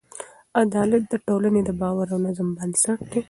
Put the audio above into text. عدالت د ټولنې د باور او نظم بنسټ دی.